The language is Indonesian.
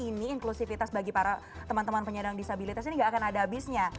ini inklusivitas bagi para teman teman penyandang disabilitas ini tidak akan ada habisnya